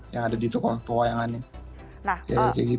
yang ada di toko pewayangannya